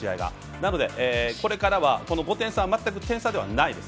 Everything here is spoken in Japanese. なのでこれからは５点差は全く点差ではないです。